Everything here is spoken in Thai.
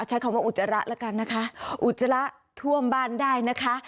ใช้คำว่าอุจจาระแล้วกันนะคะอุจจาระท่วมบ้านได้นะคะ